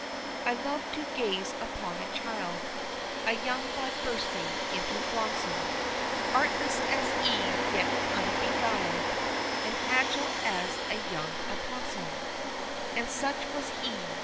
I love to gaze upon a child; A young bud bursting into blossom; Artless, as Eve yet unbeguiled, And agile as a young opossum: And such was he.